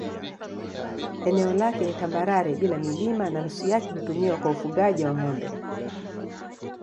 Eneo lake ni tambarare bila milima na nusu yake hutumiwa kwa ufugaji wa ng'ombe.